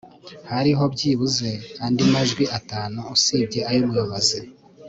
hariho byibuze andi majwi atanu usibye ay'umuyobozi